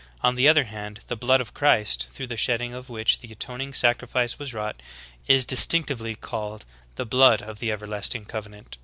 On the other hand, the blood of Christ, through the shedding of which the atoning sacrifice was wrought, is distinctively called "the blood of the everlasting covenant."